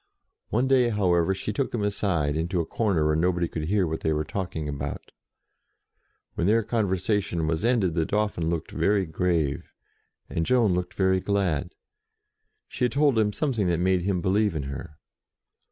One day, however, she took him aside, into a corner where nobody could hear what they were talking about. When their con versation was ended, the Dauphin looked very grave, and Jeanne looked very glad. She had told him something that made him believe in her.